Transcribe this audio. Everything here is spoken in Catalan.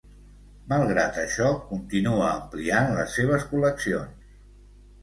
Malgrat això, continua ampliant les seves col·leccions.